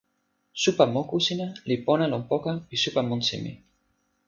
supa moku sina li pona lon poka pi supa monsi mi.